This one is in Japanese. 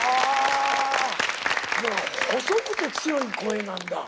細くて強い声なんだ。